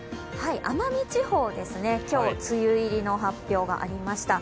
奄美地方、今日、梅雨入りの発表がありました。